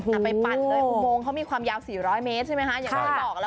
อุโมงเขามีความยาว๔๐๐เมตรใช่ไหมฮะ